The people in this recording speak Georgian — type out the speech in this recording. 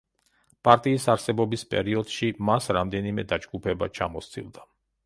პარტიის არსებობის პერიოდში მას რამდენიმე დაჯგუფება ჩამოსცილდა.